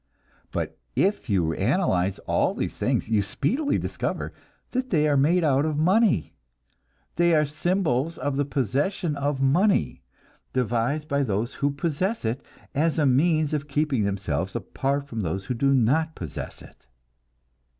But if you analyze all these things, you speedily discover that they are made out of money; they are symbols of the possession of money, devised by those who possess it, as a means of keeping themselves apart from those who do not possess it.